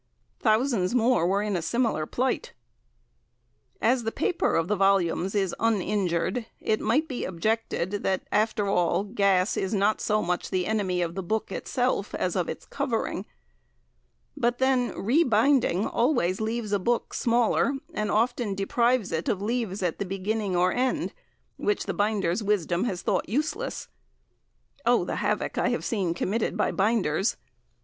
Thousands more were in a similar plight. As the paper of the volumes is uninjured, it might be objected that, after all, gas is not so much the enemy of the book itself as of its covering; but then, re binding always leaves a book smaller, and often deprives it of leaves at the beginning or end, which the binder's wisdom has thought useless. Oh! the havoc I have seen committed by binders.